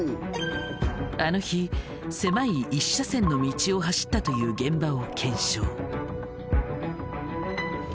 あの日狭い１車線の道を走ったという現場を検証。